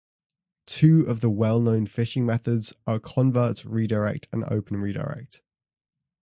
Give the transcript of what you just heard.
Two of the well-known phishing methods are Covert Redirect and Open Redirect.